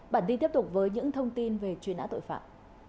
bản tin tiếp tục với những thông tin về truy nã tội phạm